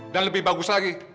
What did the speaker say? dan lebih bagus lagi